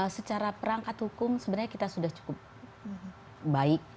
secara perangkat hukum sebenarnya kita sudah cukup baik